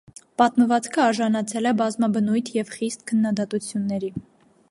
Պատմվածքը արժանացել է բազմաբնույթ և խիստ քննադատությունների։